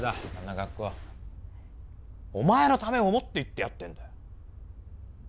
学校お前のためを思って言ってやってんだよ